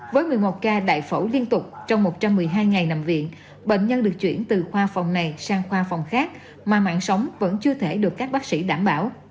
với một mươi một ca đại phẫu liên tục trong một trăm một mươi hai ngày nằm viện bệnh nhân được chuyển từ khoa phòng này sang khoa phòng khác mà mạng sống vẫn chưa thể được các bác sĩ đảm bảo